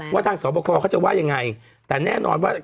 ว่าทางสอบคอเขาจะว่ายังไงแต่แน่นอนว่า